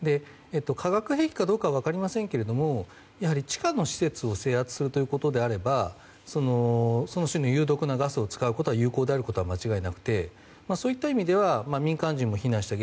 化学兵器かどうか分かりませんが地下の施設を制圧するということであればその種の有毒なガスを使うことが有効であることは間違いなくてそういった意味では民間人も避難した